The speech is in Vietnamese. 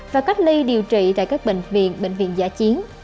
và cách ly điều trị tại các bệnh viện bệnh viện giả chiến